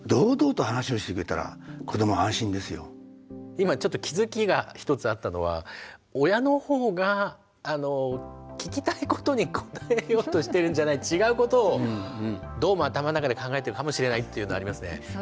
今ちょっと気付きが一つあったのは親の方が聞きたいことに答えようとしてるんじゃない違うことをどうも頭の中で考えてるかもしれないっていうのはありますね。